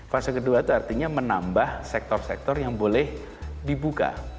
fase kedua itu artinya menambah sektor sektor yang boleh dibuka